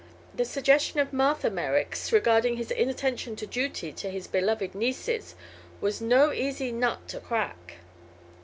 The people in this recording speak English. This suggestion of Martha Merrick's regarding his inattention to duty to his beloved nieces was no easy nut to crack.